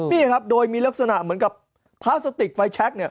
นี่ครับโดยมีลักษณะเหมือนกับพลาสติกไฟชัก